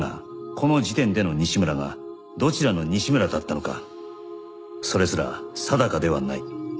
この時点での西村がどちらの西村だったのかそれすら定かではない